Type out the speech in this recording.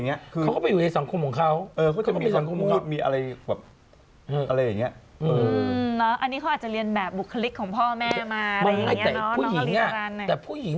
เมื่อกี้ทำหน้ามองบนทำหน้ามองบน